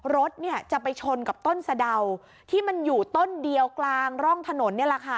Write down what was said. รถเนี่ยจะไปชนกับต้นสะเดาที่มันอยู่ต้นเดียวกลางร่องถนนนี่แหละค่ะ